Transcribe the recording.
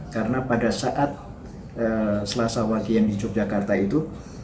karena pada saat selasa wakian di yogyakarta itu